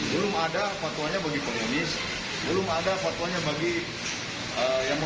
sehingga dalam fakta ini dikeluarkan wajib hukumnya